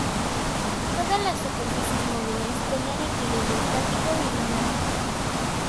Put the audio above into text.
Todas las superficies móviles tenían equilibrio estático y dinámico.